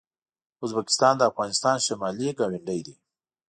ازبکستان د افغانستان شمالي ګاونډی دی.